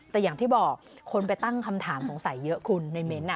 แต่อย่างที่บอกคนไปตั้งคำถามสงสัยเยอะคุณในเม้นต์